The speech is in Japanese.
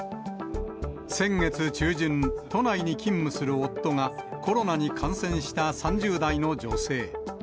先月中旬、都内に勤務する夫がコロナに感染した３０代女性。